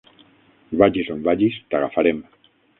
Vagis on vagis, t'agafarem.